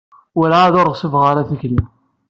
Werɛad ur ɣṣibeɣ ara tikli.